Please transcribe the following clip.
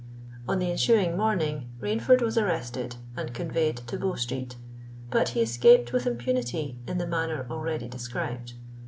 On the ensuing morning Rainford was arrested, and conveyed to Bow Street; but he escaped with impunity, in the manner already described.